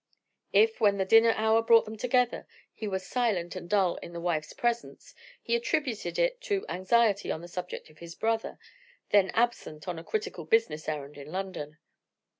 If, when the dinner hour brought them together, he was silent and dull in his wife's presence, he attributed it to anxiety on the subject of his brother then absent on a critical business errand in London.